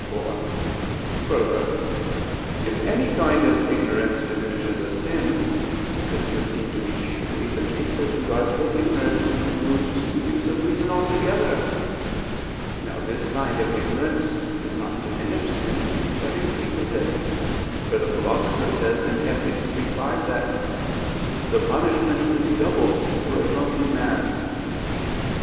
4: Further, if any kind of ignorance diminishes a sin, this would seem to be chiefly the case as regards the ignorance which removes the use of reason altogether. Now this kind of ignorance does not diminish sin, but increases it: for the Philosopher says (Ethic. iii, 5) that the "punishment is doubled for a drunken man."